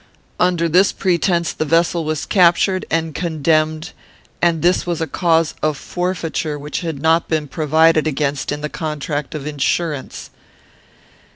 Under this pretence, the vessel was captured and condemned, and this was a cause of forfeiture which had not been provided against in the contract of insurance.